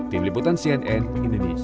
tim liputan cnn indonesia